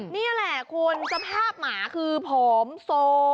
นี่แหละคุณสภาพหมาคือผอมโซ